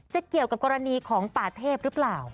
เกี่ยวกับกรณีของป่าเทพหรือเปล่า